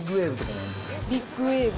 ビッグウェーブ。